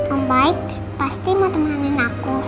om baik pasti mau temanin aku